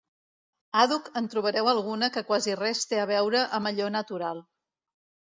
Àdhuc en trobareu alguna que quasi res té que veure amb allò natural.